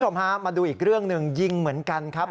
คุณผู้ชมฮะมาดูอีกเรื่องหนึ่งยิงเหมือนกันครับ